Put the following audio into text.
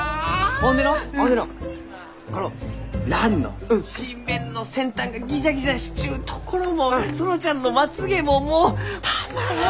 ほんでのうほんでのうこのランの唇弁の先端がギザギザしちゅうところも園ちゃんのまつげももうたまらん！